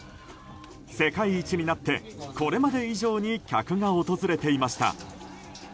世界一になって、これまで以上に客が訪れていました。